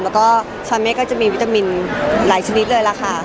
แล้วก็ชอนเมฆก็จะมีวิตามินหลายชนิดเลยล่ะค่ะ